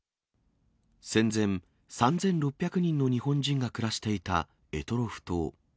戦前、３６００人の日本人が暮らしていた択捉島。